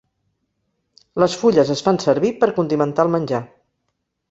Les fulles es fan servir per condimentar el menjar.